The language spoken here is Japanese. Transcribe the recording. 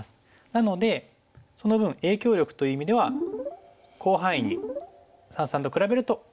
なのでその分影響力という意味では広範囲に三々と比べると影響力を与えることができます。